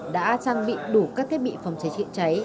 đã trang bị đủ các thiết bị phòng cháy chữa cháy